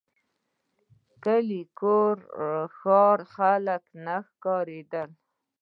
کلی کور ښار او خلک نه ښکارېدل.